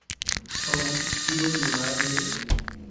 রব উঠিল তিনি মারা পড়িয়াছেন।